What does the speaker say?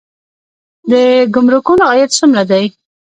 د ګمرکونو عاید څومره دی؟